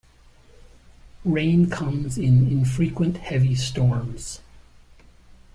Rain comes in infrequent heavy storms.